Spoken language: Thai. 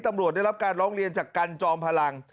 ตำรวจได้รับการร้องเรียนจากกันจอมพลัง